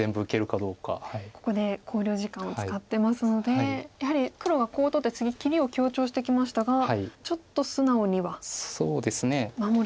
ここで考慮時間を使ってますのでやはり黒がコウを取って次切りを強調してきましたがちょっと素直には守れないんですか？